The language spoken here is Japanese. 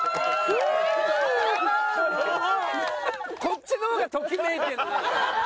こっちの方がときめいてるのなんか。